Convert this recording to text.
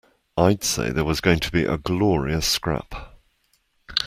I'd say there was going to be a glorious scrap.